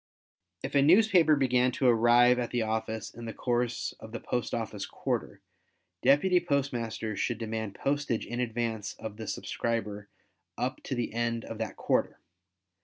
If a newspaper began to arrive at the office in the course of the post office quarter, deputy postmasters should demand postage in advance of the subscriber up to the end of that quarter.